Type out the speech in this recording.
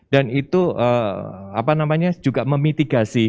dan itu apa namanya juga memitigasi